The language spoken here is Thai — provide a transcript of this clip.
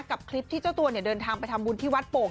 กับคลิปที่เจ้าตัวเนี่ยเดินทางไปทำบุญที่วัดโป่ง